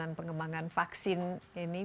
dan pengembangan vaksin ini